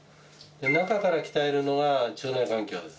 中から鍛えるのは、腸内環境です。